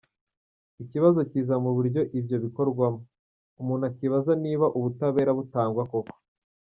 Ikibazo kiza mu buryo ibyo bikorwamo, umuntu akibaza niba ubutabera butangwa koko”.